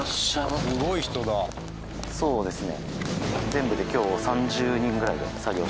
はいそうですね。